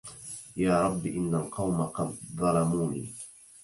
يا رب إن القوم قد ظلموني